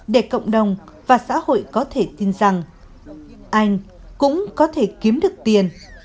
để cộng đồng và xã hội có thể tin rằng anh cũng có thể kiếm được tiền